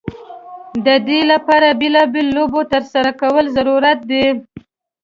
د دې لپاره بیلا بېلو لوبو ترسره کول ضرورت دی.